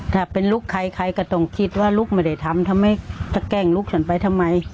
ถ้าเป็นลูกใครใครก็ต้องคิดว่าลูกไม่ได้ทำทำไมถ้าแกล้งลูกฉันไปทำไม